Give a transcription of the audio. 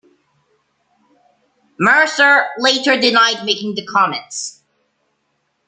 Mercer later denied making the comments.